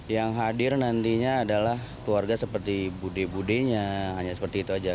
yang hadir nantinya adalah keluarga seperti bude budenya hanya seperti itu saja